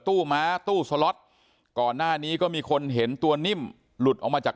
ม้าตู้สล็อตก่อนหน้านี้ก็มีคนเห็นตัวนิ่มหลุดออกมาจาก